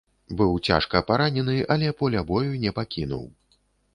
Быў цяжка паранены, але поля бою не пакінуў.